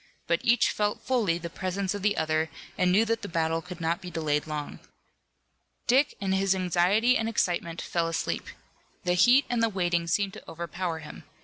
But each felt fully the presence of the other and knew that the battle could not be delayed long. Dick, in his anxiety and excitement, fell asleep. The heat and the waiting seemed to overpower him.